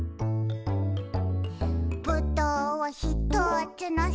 「ぶどうをひとつのせました」